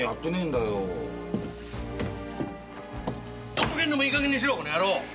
とぼけんのもいいかげんにしろこの野郎！